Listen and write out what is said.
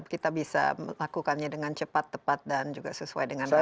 kita bisa melakukannya dengan cepat tepat dan juga sesuai dengan harapan